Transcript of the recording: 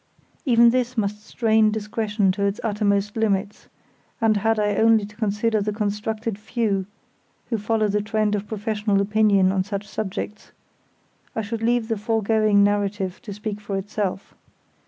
Even this must strain discretion to its uttermost limits, and had I only to consider the instructed few who follow the trend of professional opinion on such subjects, I should leave the foregoing narrative to speak for itself.